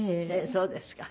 そうですか。